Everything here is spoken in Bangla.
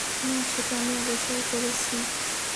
না, সেটা আমি আবিষ্কার করেছি।